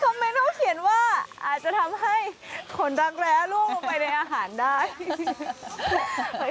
คอมเมนต์เข้าเขียนว่าอาจจะทำให้ขนรักแร้ล่วงออกไปในอาหารได้